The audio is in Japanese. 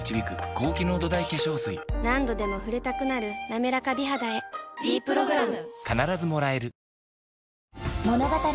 何度でも触れたくなる「なめらか美肌」へ「ｄプログラム」